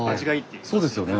ああそうですよね。